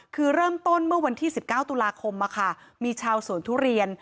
คือเริ่มต้นเมื่อวันที่๑๙ตุลาคมมีชาวสวนทุเรียน